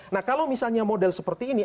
nah kalau misalnya model seperti ini